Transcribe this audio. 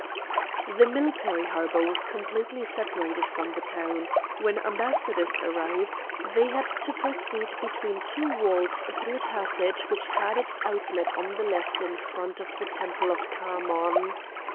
The Military Harbour was completely separated from the town; when ambassadors arrived, they had to proceed between two walls through a passage which had its outlet on the left in front of the temple of Khamon.